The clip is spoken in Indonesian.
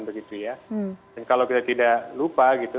dan kalau kita tidak lupa